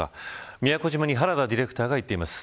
宮古島に原田ディレクターが行っています。